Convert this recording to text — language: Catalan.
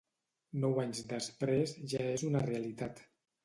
Nou anys després, ja és una realitat.